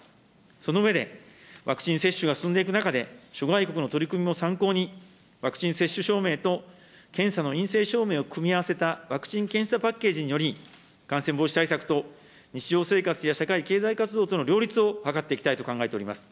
その上で、ワクチン接種が進んでいく中で、諸外国の取り組みも参考に、ワクチン接種証明と、検査の陰性証明を組み合わせたワクチン・検査パッケージにより、感染防止対策と日常生活や社会経済活動との両立を図っていきたいと考えております。